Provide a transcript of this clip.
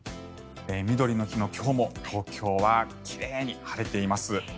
みどりの日の今日も東京は奇麗に晴れています。